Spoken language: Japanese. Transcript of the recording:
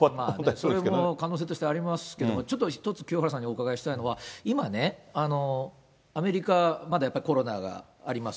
それも可能性としてありますけど、ちょっと一つ、清原さんにお伺いしたいのは、アメリカはまだやっぱりコロナがあります。